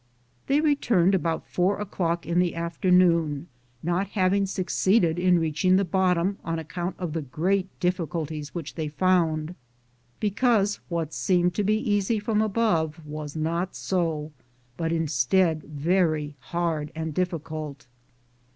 They returned about 4 o'clock in the afternoon, not having •ueeeeded in reaching the bottom on account •f the great difficulties which they found, because what seemed to be easy from above •was not so, but instead very hard and diffi cult.